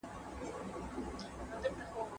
اوس په پخوانیو کروندو کې لوی مېلمستونونه جوړ دي.